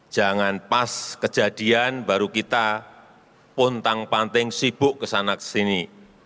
jangan pas kejadian baru kita puntang panting sibuk kesana kesini